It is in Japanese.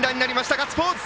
ガッツポーズ！